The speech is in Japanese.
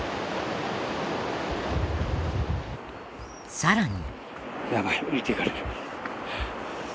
さらに。